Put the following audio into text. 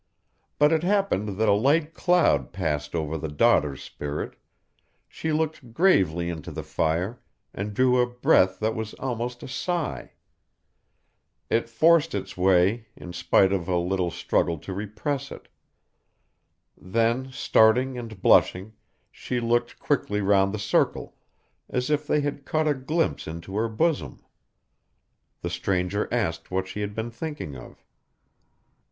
But it happened that a light cloud passed over the daughter's spirit; she looked gravely into the fire, and drew a breath that was almost a sigh. It forced its way, in spite of a little struggle to repress it. Then starting and blushing, she looked quickly round the circle, as if they had caught a glimpse into her bosom. The stranger asked what she had been thinking of.